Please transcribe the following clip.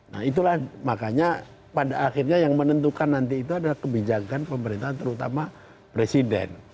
nah itulah makanya pada akhirnya yang menentukan nanti itu adalah kebijakan pemerintahan terutama presiden